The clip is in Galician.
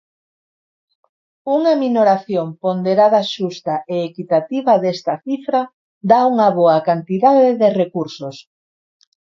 Unha minoración ponderada xusta e equitativa desta cifra dá unha boa cantidade de recursos.